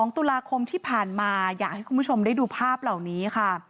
๒ตุลาคมที่ผ่านมาอยากให้คุณผู้ชมได้ดูภาพเหล่านี้ค่ะ